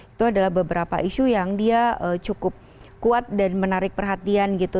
itu adalah beberapa isu yang dia cukup kuat dan menarik perhatian gitu